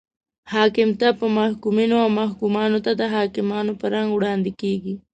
حاکم ته په محکومینو او محکومینو ته د حاکمانو په رنګ وړاندې کیږي.